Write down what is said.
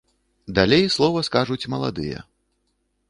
Далей слова скажуць маладыя.